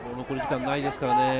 残り時間ないですからね。